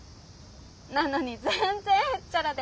なのに全然へっちゃらで。